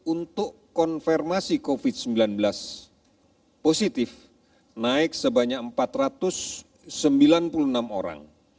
untuk konfirmasi covid sembilan belas positif naik sebanyak empat ratus sembilan puluh enam orang